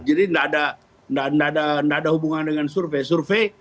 jadi tidak ada hubungan dengan survei